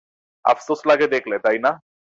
আফসোস লাগে দেখলে, তাই না?